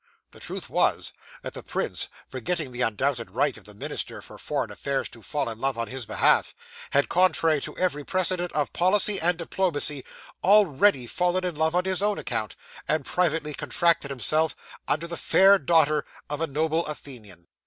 The truth was, that the prince, forgetting the undoubted right of the minister for foreign affairs to fall in love on his behalf, had, contrary to every precedent of policy and diplomacy, already fallen in love on his own account, and privately contracted himself unto the fair daughter of a noble Athenian.